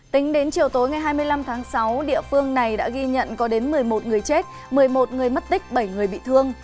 tính đến chiều tối ngày hai mươi năm tháng sáu địa phương này đã ghi nhận có đến một mươi một người chết một mươi một người mất tích bảy người bị thương